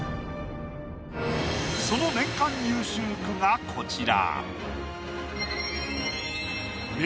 その年間優秀句がこちら。